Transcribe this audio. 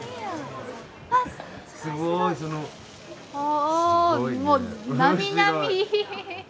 すごい！ああもうなみなみ！